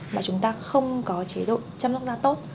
mà chúng ta không có chế độ chăm sóc da tốt